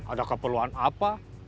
ada keperluan apa